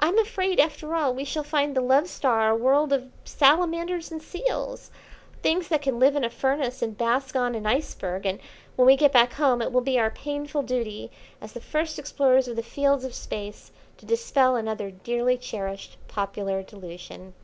I'm afraid, after all, we shall find the Love Star a world of salamanders and seals; things that can live in a furnace and bask on an iceberg; and when we get back home it will be our painful duty, as the first explorers of the fields of Space, to dispel another dearly cherished popular delusion."